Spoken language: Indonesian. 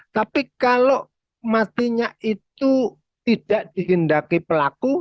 tapi kalau matinya itu tidak dihindaki pelaku